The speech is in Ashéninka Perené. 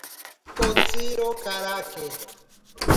Kotsiro karake.